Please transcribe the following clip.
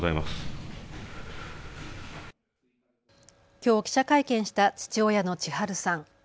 きょう記者会見した父親の智春さん。